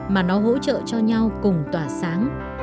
mà nó hỗ trợ cho nhau cùng tỏa sáng